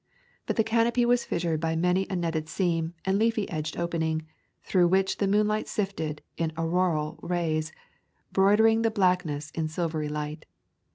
But the canopy was fissured by many a netted seam and leafy edged opening, through which the moonlight sifted in auroral rays, broidering the blackness in silvery light.